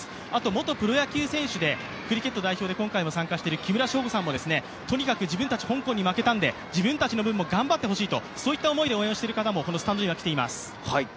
元プロ野球選手でクリケット代表で今回も参加している木村昇吾さんも、とにかく自分たちは香港に負けたので自分たちの分も頑張ってもらいたいとそういった思いで応援している方もこのスタンドには来ています。